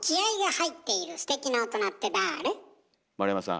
丸山さん。